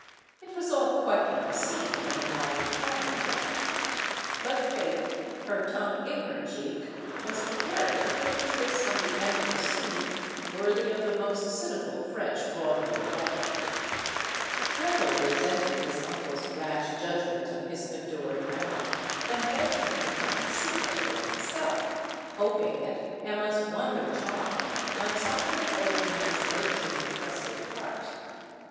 It was all quite like a scene from a mod ern problem play. But Fate, her tongue in her cheek, was preparing to put a twist on the end of the scene worthy of the most cynical French vaudeville writer. GrevilSe resented his uncle's rash judgment of his adored Emma, and begged him to come and see her for himself, hoping that Emma's wonder charm might soften the old man's virtue incrusted heart.